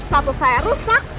sepatu saya rusak